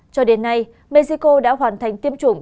cho đến nay mexico đã hoàn thành tiêm chủng